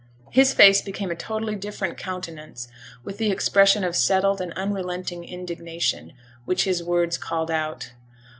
His face became a totally different countenance with the expression of settled and unrelenting indignation, which his words called out.